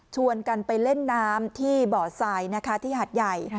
ชวนกันไปเล่นน้ำที่เบาะสายที่หาดใหญ่